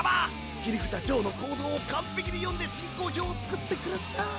切札ジョーの行動を完璧に読んで進行表を作ってくれた。